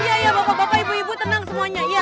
iya ya bapak bapak ibu ibu tenang semuanya